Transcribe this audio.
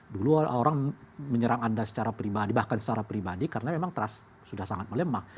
dulu orang menyerang anda secara pribadi bahkan secara pribadi karena memang trust sudah sangat melemah